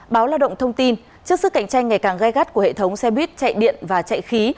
báo lao động thông tin trước sức cạnh tranh ngày càng gai gắt của hệ thống xe buýt chạy điện và chạy khí